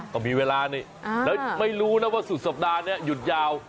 ก็มีเวลานี่แล้วไม่รู้นะว่าสุดสัปดาห์นี้หยุดยาว